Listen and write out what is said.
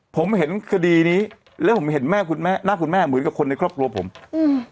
ผมเห็นคดีนี้แล้วผมเห็นแม่คุณแม่หน้าคุณแม่เหมือนกับคนในครอบครัวผมอืม